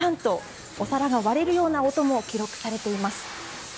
がしゃんとお皿が割れるような音も記録されています。